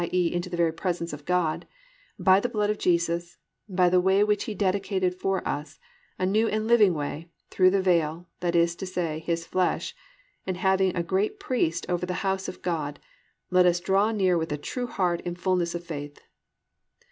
e., into the very presence of God) +by the blood of Jesus, by the way which He dedicated for us, a new and living way, through the veil, that is to say, His flesh; and having a great priest over the house of God; let us draw near with a true heart in fullness of faith."